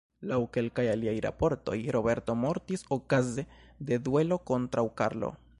Laŭ kelkaj aliaj raportoj, Roberto mortis okaze de duelo kontraŭ Karlo.